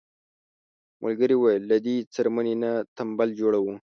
ملکې وویل له دې څرمنې نه تمبل جوړوو.